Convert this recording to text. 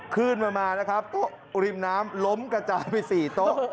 ขึ้นมานะครับโต๊ะริมน้ำล้มกระจายไป๔โต๊ะ